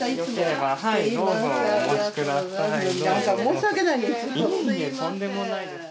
申し訳ない。